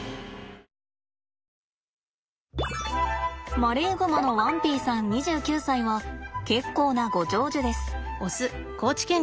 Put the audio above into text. マレーグマのワンピイさん２９歳は結構なご長寿です。